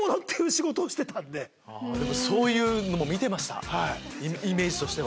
そういうのも見てましたイメージとしては。